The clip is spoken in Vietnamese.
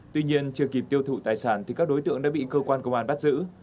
tuy nhiên chưa kịp tiêu thụ tài sản thì các đối tượng đã bị cơ quan công an bắt giữ